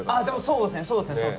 でもそうですね